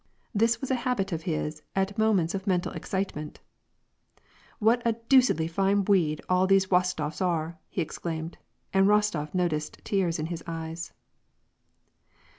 This was a habit of his at moments of mental excitement. !" What a deucedly fine bweed all those Wostof s are !" he exclaimed, and Rostof noticed tears in his eyes.